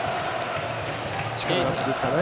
力勝ちですかね。